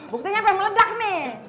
buktinya pak meledak nih